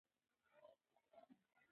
موږ باید په ژوند کې نظم او ډسپلین ولرو.